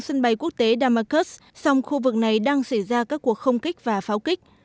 sân bay quốc tế damascus song khu vực này đang xảy ra các cuộc không kích và pháo kích